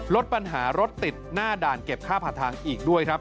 ลดปัญหารถติดหน้าด่านเก็บค่าผ่านทางอีกด้วยครับ